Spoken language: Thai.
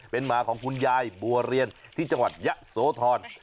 เป็นหมาของคุณยายบัวเรียนที่จังหวัดยะโสธร